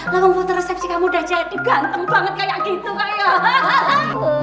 lah memfoto resepsi kamu udah jadi ganteng banget kayak gitu